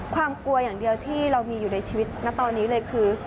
ความกลัวอย่างเดียวที่เรามีอยู่ในชีวิตนะตอนนี้เลยคือ